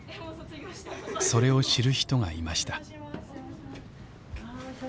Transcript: それを知る人がいました。